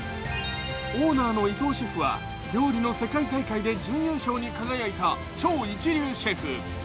オーナーの伊藤シェフは料理の世界大会で準優勝に輝いた超一流シェフ。